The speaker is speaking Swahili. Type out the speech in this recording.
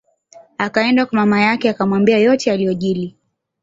Akaenda kwa mama yake akamwambia yote yaliyojili